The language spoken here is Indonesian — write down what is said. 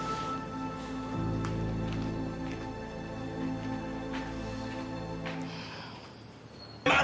kamu harus belajar